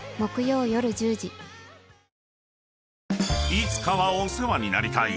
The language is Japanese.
［いつかはお世話になりたい！